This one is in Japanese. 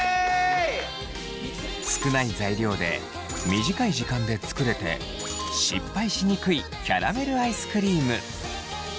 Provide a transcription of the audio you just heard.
少ない材料で短い時間で作れて失敗しにくいキャラメルアイスクリーム。